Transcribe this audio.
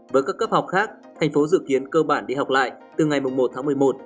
với các cấp học khác thành phố dự kiến cơ bản đi học lại từ ngày một tháng một mươi một